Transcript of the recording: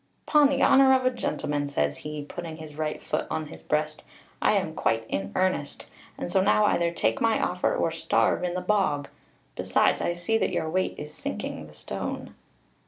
''Pon the honour of a gentleman,' says he, putting his right foot on his breast, 'I am quite in earnest: and so now either take my offer or starve in the bog besides, I see that your weight is sinking the stone.'